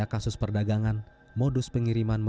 lalu jerat pun dipasang